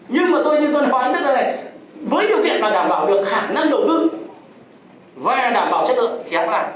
nhưng mà tôi như tôi nói với điều kiện là đảm bảo được khả năng đầu tư và đảm bảo chất lượng thì hẳn là